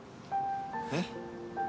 えっ？